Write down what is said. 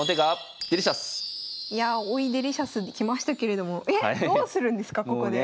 いやあ追いデリシャスできましたけれどもえっどうするんですかここで。